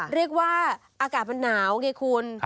เรียกว่าอากาศมันหนาวไงคุณ